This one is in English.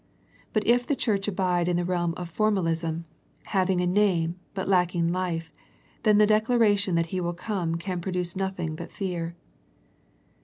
But if the church abide in the realm of formalism, having a name, but lack ing life, then the declaration that He will come can produce nothing but fear.